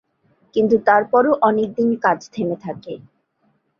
কিন্তু তারপরও অনেকদিন কাজ থেমে থাকে।